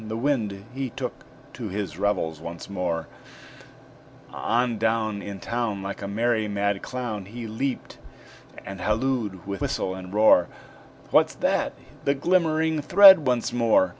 The Wind he took to his revels once more; On down, In town, Like a merry mad clown, He leaped and hallooed with whistle and roar "What's that?" The glimmering thread once more!